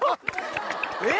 え！